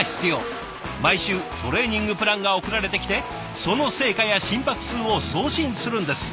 毎週トレーニングプランが送られてきてその成果や心拍数を送信するんです。